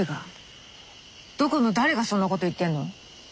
どこの誰がそんなこと言ってるの。